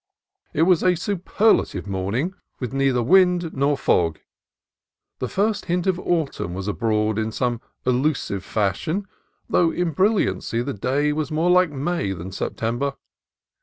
It was a superlative morning, with neither wind nor fog. The first hint of autumn was abroad in some elusive fashion, though in brilliancy the day was more like May than September.